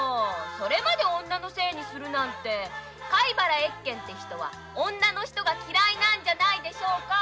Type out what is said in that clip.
それまで女のせいにするなんて貝原益軒て人は女の人が嫌いなんじゃないですか。